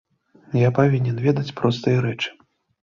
Я павінен ведаць простыя рэчы.